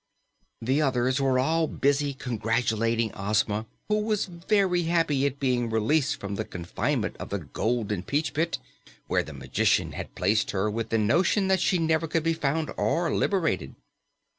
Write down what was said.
The others were all busy congratulating Ozma, who was very happy at being released from the confinement of the golden peach pit, where the magician had placed her with the notion that she never could be found or liberated.